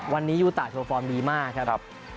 วันนี้ยูตะโชว์ฟอร์มดีมากครับ